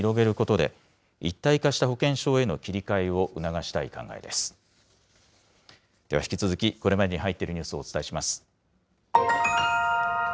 では引き続き、これまでに入っているニュースをお伝えします。